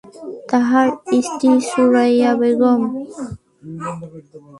তার স্ত্রী সুরাইয়া বেগম।